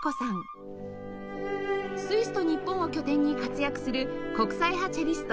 スイスと日本を拠点に活躍する国際派チェリスト